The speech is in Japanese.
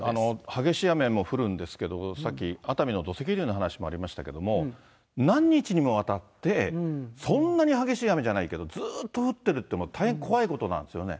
激しい雨も降るんですけど、さっき熱海の土石流の話もありましたけれども、何日にもわたって、そんなに激しい雨じゃないけど、ずっと降ってるって、大変怖いことなんですよね。